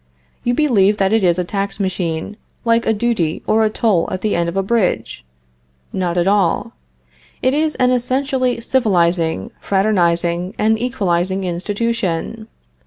You believe that it is a tax machine, like a duty or a toll at the end of a bridge? Not at all. It is an essentially civilizing, fraternizing and equalizing institution.